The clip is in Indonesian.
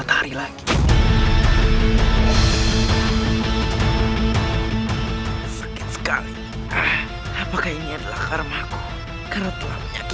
teilah bungadiu iemand mendorongnya